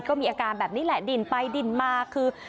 ก็มีอาการแบบนี้แหละดิ่นไปดินมาคือ